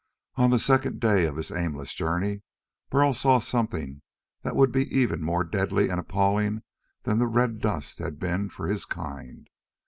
On the second day of his aimless journey Burl saw something that would be even more deadly and appalling than the red dust had been for his kind.